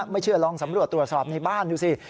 ไม่เชื่อลองสำรวจตรวจสอบในบ้านดูสิ